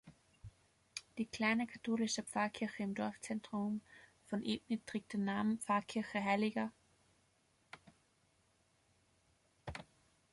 Die kleine katholische Pfarrkirche im Dorfzentrum von Ebnit trägt den Namen Pfarrkirche Hl.